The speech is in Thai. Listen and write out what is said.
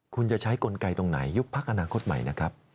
คุณจะใช้กลไกตรงไหนยุบพักอนาคตใหม่นะครับ